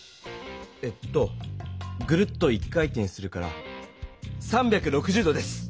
えっとグルッと一回転するから３６０度です。